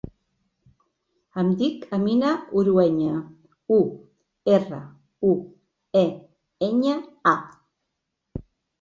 Em dic Amina Urueña: u, erra, u, e, enya, a.